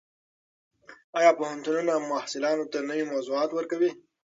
ایا پوهنتونونه محصلانو ته نوي موضوعات ورکوي؟